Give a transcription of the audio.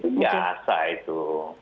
itu biasa itu